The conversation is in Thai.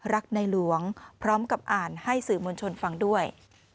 รักในหลวงพร้อมกับอ่านให้สื่อมวลชนฟังด้วย